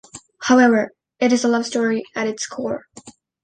However, it is a love story at its core.